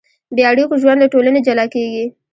بېاړیکو ژوند له ټولنې جلا کېږي.